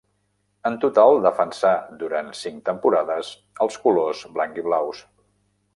En total defensà durant cinc temporades els colors blanc-i-blaus.